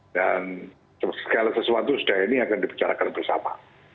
dan segala sesuatu sudah ini akan diperjalan bersama